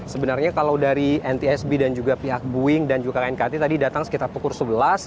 sebenarnya kalau dari ntsb dan juga pihak boeing dan juga knkt tadi datang sekitar pukul sebelas